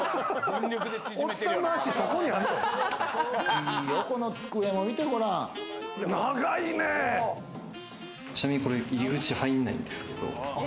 いいよ、この机も、見てほら、ちなみにこれ、入り口から入らないんですけれども。